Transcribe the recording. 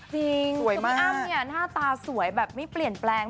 จริงคือพี่อ้ำเนี่ยหน้าตาสวยแบบไม่เปลี่ยนแปลง